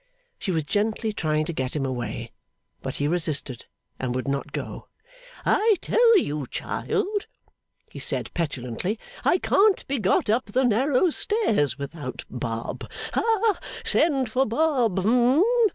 She was gently trying to get him away; but he resisted, and would not go. 'I tell you, child,' he said petulantly, 'I can't be got up the narrow stairs without Bob. Ha. Send for Bob.